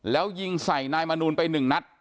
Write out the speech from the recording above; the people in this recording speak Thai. แล้วยิงใส่นายมนูนไปหนึ่งนัส